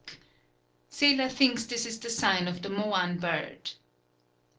_ Seler thinks this the sign of the Moan bird.